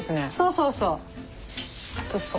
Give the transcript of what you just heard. そうそうそう。